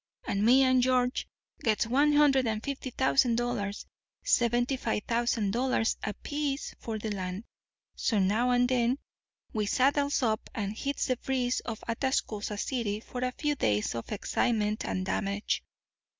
And me and George gets one hundred and fifty thousand dollars—seventy five thousand dollars apiece—for the land. So now and then we saddles up and hits the breeze for Atascosa City for a few days of excitement and damage.